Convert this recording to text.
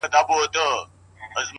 اوس مي د زړه كورگى تياره غوندي دى ـ